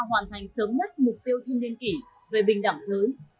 hoàn thành sớm nhất mục tiêu thiên niên kỷ về bình đẳng giới